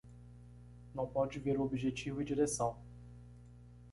Não pode ver o objetivo e direção